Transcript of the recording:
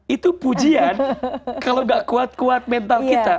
itu pujian kalau gak kuat kuat mental kita